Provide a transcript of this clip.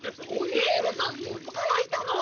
ピエールさんいつからいたの？